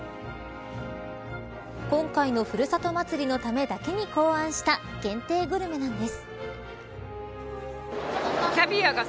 今回のふるさと祭りのためだけに考案した限定グルメなんです。